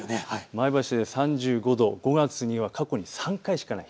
前橋で３５度、５月には過去に３回しかない。